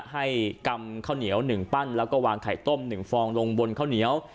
กำข้าวเหนียว๑ปั้นแล้วก็วางไข่ต้ม๑ฟองลงบนข้าวเหนียว